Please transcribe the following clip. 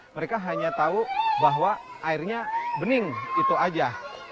mereka hanya tahu bahwa airnya bening itu aja